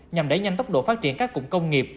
nhằm đẩy nhanh tốc độ phát triển các cụm công nghiệp